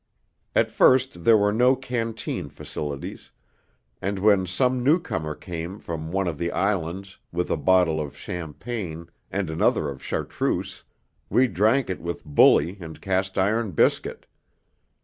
At first there were no canteen facilities, and when some newcomer came from one of the islands with a bottle of champagne and another of chartreuse, we drank it with 'bully' and cast iron biscuit.